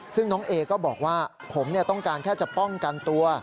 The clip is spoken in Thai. ซึ่งน้องเอก็บอกว่าผมต้องการแค่จะป้องกันตัว